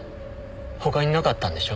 他になかったんでしょう。